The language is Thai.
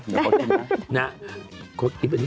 เดี๋ยวก่อนนะ